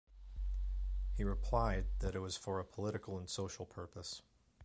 He replied that it was for a "political and social purpose".